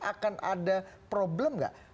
akan ada problem nggak